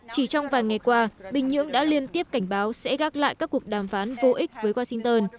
chỉ trong vài ngày qua bình nhưỡng đã liên tiếp cảnh báo sẽ gác lại các cuộc đàm phán vô ích với washington